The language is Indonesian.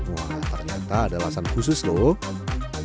wah ternyata ada lasan khusus lho